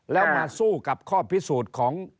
แล้วมาสู้กับข้อพิสูจน์ของ